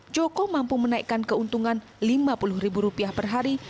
joko mampu menaikkan keuntungan lima puluh ribu rupiah per hari